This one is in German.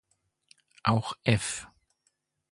Auch F